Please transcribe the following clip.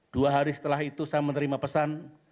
dua hari setelah itu saya menerima pesan